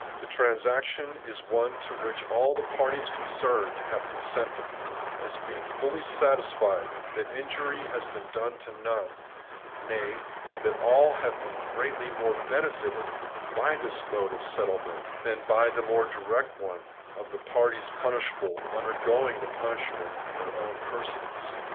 The transaction is one to which all the parties concerned have consented, as being fully satisfied that injury has been done to none; nay, that all have been greatly more benefited by this mode of settlement than by the more direct one, of the parties punishable undergoing the punishment in their own persons.